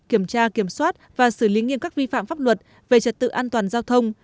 kiểm tra kiểm soát và xử lý nghiêm các vi phạm pháp luật về trật tự an toàn giao thông